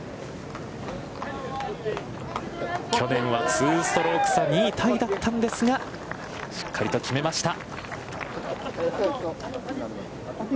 去年は２ストローク差２位タイだったんですが、しっかりと決めました。